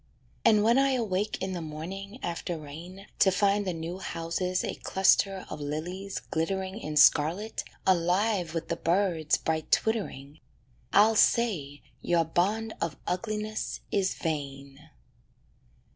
And when I awake in the morning, after rain, To find the new houses a cluster of lilies glittering In scarlet, alive with the birds' bright twittering, I'll say your bond of ugliness is vain.